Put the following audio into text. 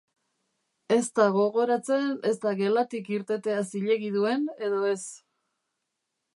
Ez da gogoratzen ezta gelatik irtetea zilegi duen edo ez.